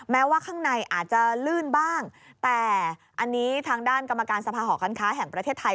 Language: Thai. แม้ว่าข้างในอาจจะลื่นบ้างแต่อันนี้ทางด้านกรรมการสภาหอการค้าแห่งประเทศไทย